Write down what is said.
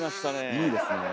いいですね。